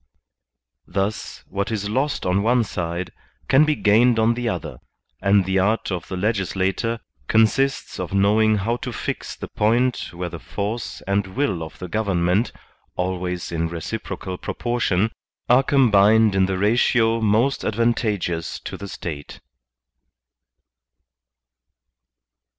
Thus, what is lost on one side can be gained on the other, and the art of the legis lator consists of knowing how to fix the point where the force and will of the government, always in reciprocal proportion, are combined in the ratio most advantageous to the State.